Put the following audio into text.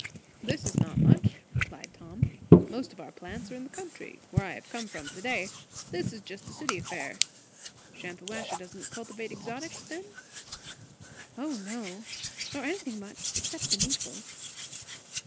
"This is not much," replied Tom. "Most of our plants are in the country where I have come from to day; this is just a city affair. Shampuashuh don't cultivate exotics, then?" "O no! Nor anything much, except the needful."